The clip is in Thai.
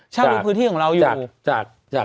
ใช่ในพื้นที่ของเราอยู่